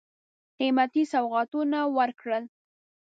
قېمتي سوغاتونه ورکړل.